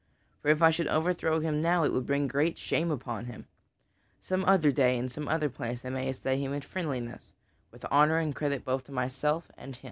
For if I should overthrow him now, it would bring great shame upon him. Some other day and in some other place I may assay him in friendliness, with honor and credit both to myself and him."